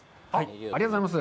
ありがとうございます。